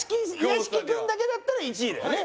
屋敷君だけだったら１位だよね？